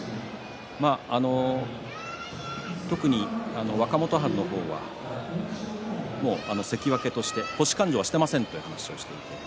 特に若元春の方は関脇として星勘定はしていませんという話をしています。